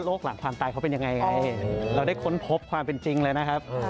โอเคเราได้ค้นพบความเป็นจริงเลยนะครับ